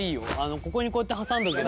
ここにこうやって挟んでおけば。